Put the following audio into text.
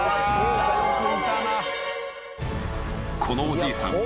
［このおじいさん